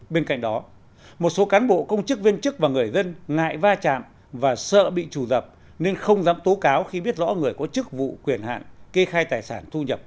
bên cạnh đó một số cán bộ công chức viên chức và người dân ngại va chạm và sợ bị trù dập nên không dám tố cáo khi biết rõ người có chức vụ quyền hạn kê khai tài sản thu nhập